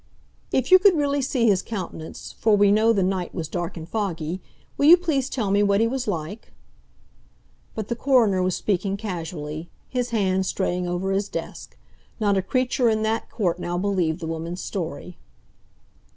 "If you could really see his countenance, for we know the night was dark and foggy, will you please tell me what he was like?" But the coroner was speaking casually, his hand straying over his desk; not a creature in that court now believed the woman's story.